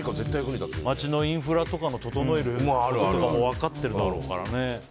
街のインフラとかを整えるのとかも分かってるだろうからね。